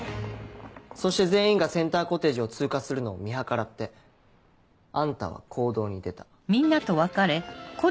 そして全員がセンターコテージを通過するのを見計らってあんたは行動に出た。